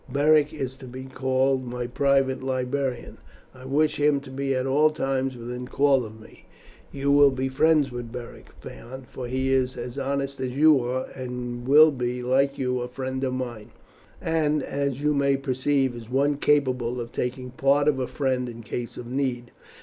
Beric is to be called my private librarian. I wish him to be at all times within call of me. You will be friends with Beric, Phaon, for he is as honest as you are, and will be, like you, a friend of mine, and, as you may perceive, is one capable of taking part of a friend in case of need."